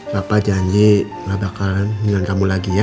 bapak janji gak bakalan mendingan kamu lagi ya